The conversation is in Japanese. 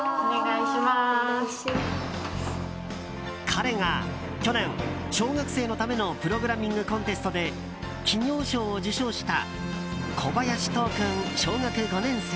彼が去年小学生のためのプログラミングコンテストで企業賞を受賞した小林都央君、小学５年生。